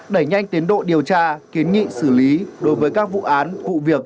đẩy nhanh tiến độ điều tra kiến nghị xử lý đối với các vụ án vụ việc